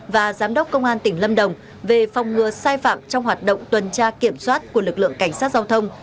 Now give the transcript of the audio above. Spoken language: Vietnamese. và giám đốc công an tỉnh lâm đồng về phòng ngừa sai phạm trong hoạt động tuần tra kiểm soát của lực lượng cảnh sát giao thông